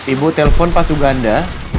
ibu telpon pak suganda